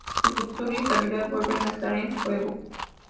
Su futuro y estabilidad vuelven a estar en juego.